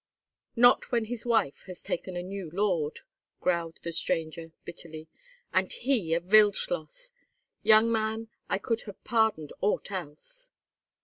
"Not when his wife has taken a new lord," growled the stranger, bitterly, "and he a Wildschloss! Young man, I could have pardoned aught else!"